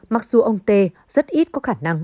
mặc dù ông tê rất ít có khả năng